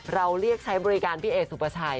เราเรียกใช้บริการพี่เอกสุประชัย